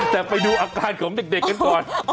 แต่ไปดูอาการของเด็กกันก่อน